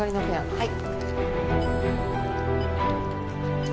はい。